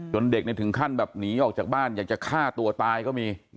เด็กถึงขั้นแบบหนีออกจากบ้านอยากจะฆ่าตัวตายก็มี